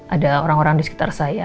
ada orang orang di sekitar saya